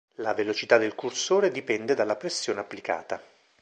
La velocità del cursore dipende dalla pressione applicata.